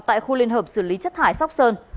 tại khu liên hợp xử lý chất thải sóc sơn